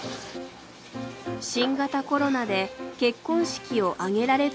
新型コロナで結婚式を挙げられずにいました。